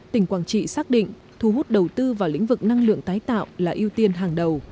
tỉnh quảng trị xác định thu hút đầu tư vào lĩnh vực năng lượng tái tạo là ưu tiên hàng đầu